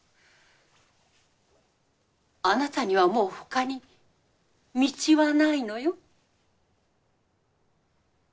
あなたにはもう他に道はないのよ。